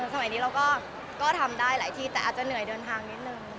สมัยนี้เราก็ทำได้หลายที่แต่อาจจะเหนื่อยเดินทางนิดนึง